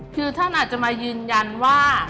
คือท่านอาจจะมายืนยันว่า